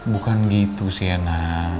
bukan gitu sih ana